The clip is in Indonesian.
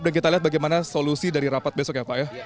dan kita lihat bagaimana solusi dari rapat besok ya pak ya